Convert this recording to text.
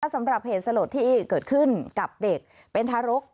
สำหรับเหตุสลดที่เกิดขึ้นกับเด็กเป็นทารก